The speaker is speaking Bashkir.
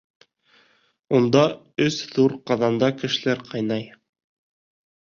Унда өс ҙур ҡаҙанда кешеләр ҡайнай.